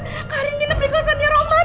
gue kemarin emang nginep di kosan roman